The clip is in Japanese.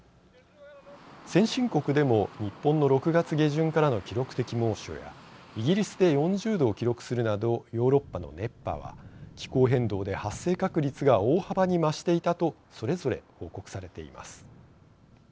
先進国でも日本の６月下旬からの記録的猛暑やイギリスで４０℃を記録するなどヨーロッパの熱波は気候変動で発生確率が大幅に増していたとそれぞれ報告されています。